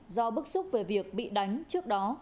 do bức xúc về việc bị đánh trước đó